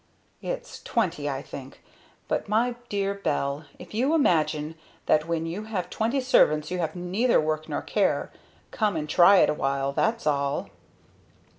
"Its twenty, I think. But my dear Belle, if you imagine that when you have twenty servants you have neither work nor care come and try it awhile, that's all!"